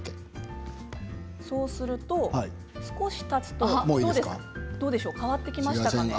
そうすると少したつとどうでしょう変わってきましたかね。